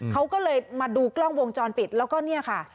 เขาก็เลยมาดูกล้องวงจรปิดแล้วก็เนี่ยค่ะ